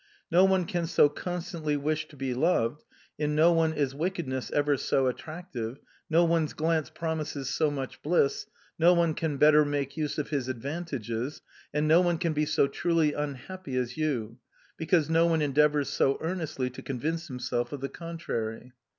No one can so constantly wish to be loved, in no one is wickedness ever so attractive, no one's glance promises so much bliss, no one can better make use of his advantages, and no one can be so truly unhappy as you, because no one endeavours so earnestly to convince himself of the contrary.